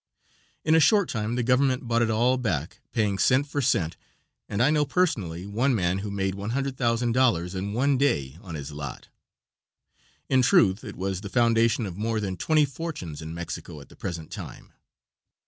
In a short time the government bought it all back, paying cent for cent, and I know personally one man who made $100,000 in one day on his lot. In truth, it was the foundation of more than twenty fortunes in Mexico at the present time.